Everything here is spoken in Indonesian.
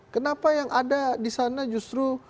kenapa yang ada di sana justru